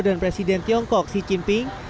dan presiden tiongkok xi jinping